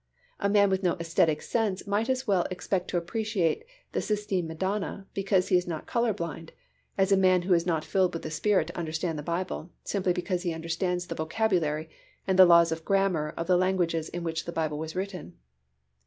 A man with no æsthetic sense might as well expect to appreciate the Sistine Madonna, because he is not colour blind, as a man who is not filled with the Spirit to understand the Bible, simply because he understands the vocabulary and the laws of grammar of the languages in which the Bible was written.